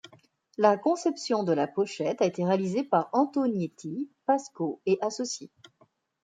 La conception de la pochette a été réalisée par Antonietti, Pascault & Associés.